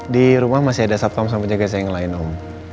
dirumah masih ada satpam sama penjaga sayang yang lain om